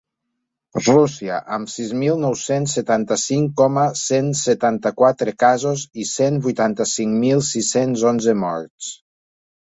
Rússia, amb sis mil nou-cents setanta-cinc coma cent setanta-quatre casos i cent vuitanta-cinc mil sis-cents onze morts.